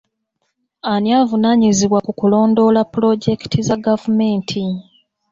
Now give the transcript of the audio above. Ani avunaanyizibwa ku kulondoola pulojekiti za gavumenti?